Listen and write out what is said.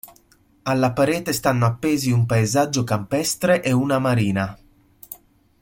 Alla parete stanno appesi un paesaggio campestre e una marina.